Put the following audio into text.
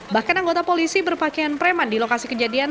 bahkan anggota polisi berpakaian preman di lokasi kejadian